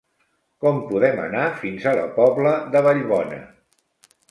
Com podem anar fins a la Pobla de Vallbona?